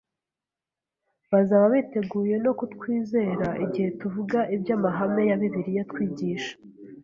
bazaba biteguye no kutwizera igihe tuvuga iby’amahame ya Bibiliya twigisha.